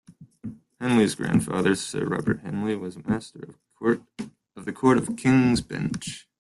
Henley's grandfather, Sir Robert Henley, was Master of the Court of the King's Bench.